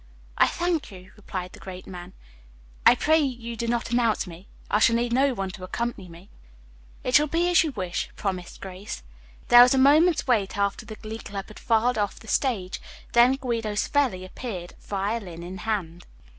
"I thank you," replied the great man. "I pray you do not announce me. I shall need no one to accompany me." "It shall be as you wish," promised Grace. There was a moment's wait after the Glee Club had filed off the stage, then Guido Savelli appeared, violin in hand.